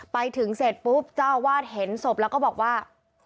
ไปถึงเสร็จปุ๊บเจ้าวาดเห็นศพแล้วก็บอกว่า